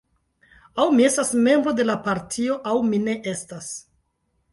Aŭ mi estas membro de la partio aŭ mi ne estas.